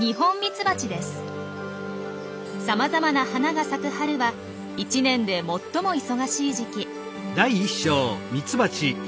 さまざまな花が咲く春は１年で最も忙しい時期。